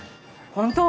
本当？